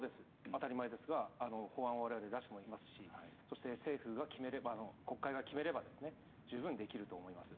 当たり前ですが法案を我々、出していますし国会が決めれば十分できると思います。